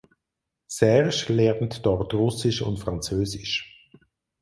Serge lernt dort Russisch und Französisch.